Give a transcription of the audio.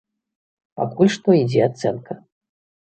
Пакуль што ідзе ацэнка.